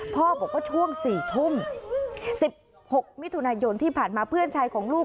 พ่อบอกว่าช่วง๔ทุ่ม๑๖มิถุนายนที่ผ่านมาเพื่อนชายของลูก